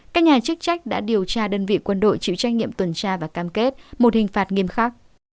các nhà chức trách đã điều tra đơn vị quân đội chịu trách nhiệm tuần tra và cam kết một hình phạt nghiêm khắc